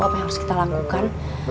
apa yang harus kita lakukan